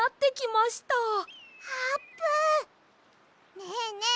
ねえねえ